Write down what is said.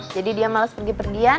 jadi dia males pergi pergian